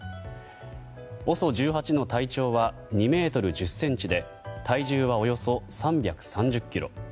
ＯＳＯ１８の体長は２ｍ１０ｃｍで体重はおよそ３３０ｋｇ。